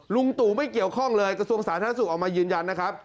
ลุงตู่ไม่เกี่ยวข้องเลยกระทรวงสาธารณสุขออกมายืนยันนะครับ